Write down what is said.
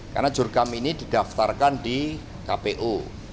karena jurukam ini didaftarkan di kpu